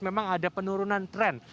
memang ada penurunan tren